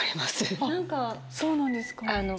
あっそうなんですか。